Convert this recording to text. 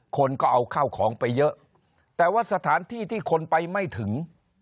คนก็เอาข้าวของไปเยอะแต่ว่าสถานที่ที่คนไปไม่ถึง